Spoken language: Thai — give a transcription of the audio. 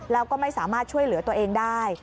แล้วก็ไม่สามารถช่วยเหลือตัวเองได้